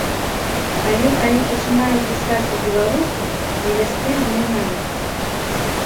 Але калі пачынае пісаць па-беларуску, яе стыль змяняецца.